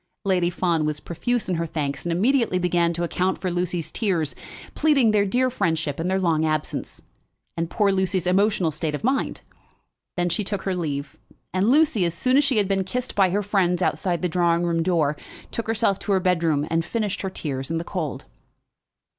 Lady Fawn was profuse in her thanks, and immediately began to account for Lucy's tears, pleading their dear friendship and their long absence, and poor Lucy's emotional state of mind. Then she took her leave, and Lucy, as soon as she had been kissed by her friends outside the drawing room door, took herself to her bedroom, and finished her tears in the cold.